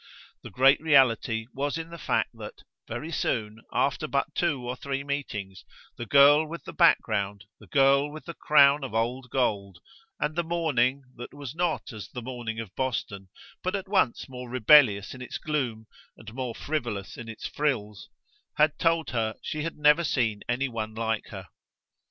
The great reality was in the fact that, very soon, after but two or three meetings, the girl with the background, the girl with the crown of old gold and the mourning that was not as the mourning of Boston, but at once more rebellious in its gloom and more frivolous in its frills, had told her she had never seen any one like her.